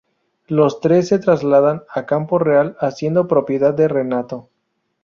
Los tres se trasladan a Campo Real, hacienda propiedad de Renato.